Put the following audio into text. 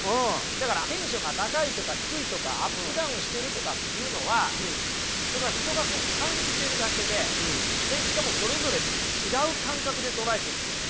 だからテンションが高いとか低いとかアップダウンしてるとかっていうのはそれは人がそう感じているだけでしかもそれぞれ違う感覚で捉えているんですよ